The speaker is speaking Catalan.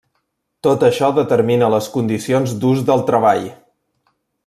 Tot això determina les condicions d’ús del treball.